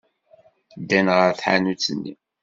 Ddan ɣer tḥanut-nni.